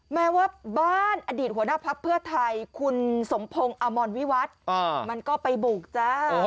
แม้ว่าบ้านอดีตหัวหน้าพักเพื่อไทยคุณสมพงศ์อมรวิวัฒน์มันก็ไปบุกจ้า